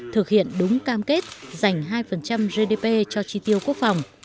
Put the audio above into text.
thực hiện đúng cam kết dành hai gdp cho chi tiêu quốc phòng